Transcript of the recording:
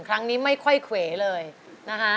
ครั้งนี้ไม่ค่อยเขวเลยนะคะ